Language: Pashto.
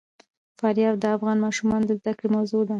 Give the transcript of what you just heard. فاریاب د افغان ماشومانو د زده کړې موضوع ده.